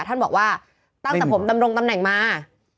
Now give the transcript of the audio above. ท่านบอกว่าตั้งแต่ผมดำรงตำแหน่งมา